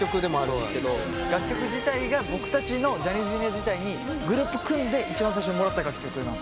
楽曲自体が僕たちのジャニーズＪｒ．時代にグループ組んで一番最初にもらった楽曲。